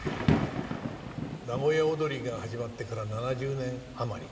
名古屋をどりが始まってから７０年余り。